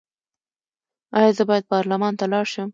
ایا زه باید پارلمان ته لاړ شم؟